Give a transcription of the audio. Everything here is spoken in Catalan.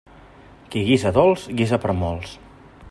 Qui guisa dolç guisa per a molts.